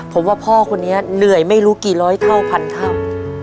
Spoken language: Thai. ผมว่าพ่อคนนี้เหนื่อยไม่รู้กี่ร้อยเท่าพันเท่า